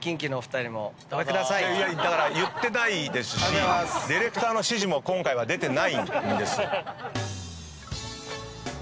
だから言ってないですしディレクターの指示も今回は出てないんです。